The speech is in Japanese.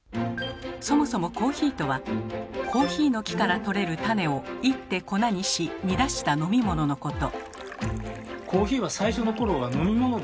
そもそもコーヒーとはコーヒーの木からとれる種を煎って粉にし煮出した飲み物のこと。